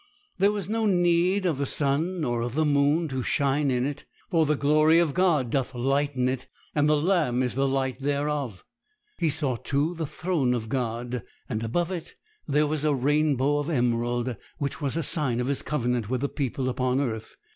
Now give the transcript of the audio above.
There was no need of the sun nor of the moon to shine in it; for the glory of God doth lighten it, and the Lamb is the light thereof. He saw, too, the throne of God, and above it there was a rainbow of emerald, which was a sign of His covenant with the people upon earth.